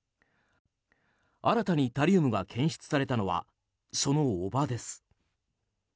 新たにタリウムが検出されたのはその叔母です。